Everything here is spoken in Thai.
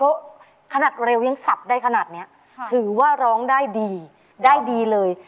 เพราะขนาดเร็วยังสับได้ขนาดนี้ถือว่าร้องได้ดีได้ดีเลย